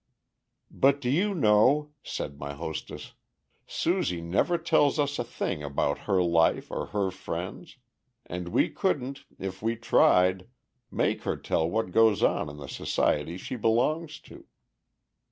"But do you know," said my hostess, "Susie never tells us a thing about her life or her friends, and we couldn't, if we tried, make her tell what goes on in the society she belongs to."